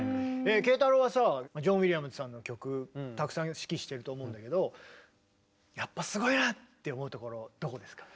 慶太楼はさジョン・ウィリアムズさんの曲たくさん指揮してると思うんだけどやっぱすごいなって思うところどこですか？